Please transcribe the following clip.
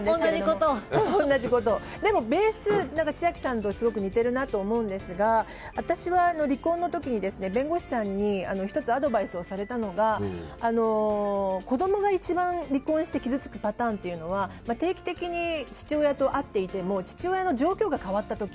でもベースが千秋さんと似ているなと思うんですけど私は離婚の時に弁護士さんに１つアドバイスをされたのが子供が一番離婚して傷つくパターンというのは定期的に父親と会っていても父親の状況が変わった時。